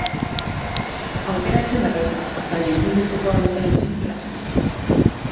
Aukera ez zen erraza, baina ezinbestekoa bezain sinplea zen.